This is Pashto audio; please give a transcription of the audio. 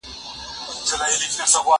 زه کولای سم پوښتنه وکړم!؟